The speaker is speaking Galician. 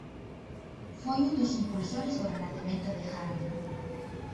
Foi un dos impulsores do Renacemento de Harlem.